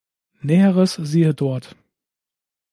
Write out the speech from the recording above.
Näheres siehe dort.